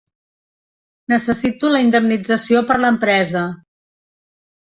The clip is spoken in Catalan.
Necessito la indemnització per l'empresa.